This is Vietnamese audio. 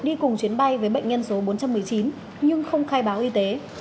đi cùng chuyến bay với bệnh nhân số bốn trăm một mươi chín nhưng không khai báo y tế